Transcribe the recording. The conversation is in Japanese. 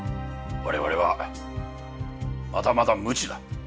我々はまだまだ無知だ。